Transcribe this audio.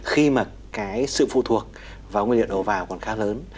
khi mà cái sự phụ thuộc vào nguyên liệu đầu vào còn khá lớn